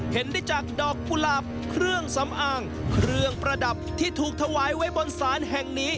เห็นได้จากดอกกุหลาบเครื่องสำอางเครื่องประดับที่ถูกถวายไว้บนศาลแห่งนี้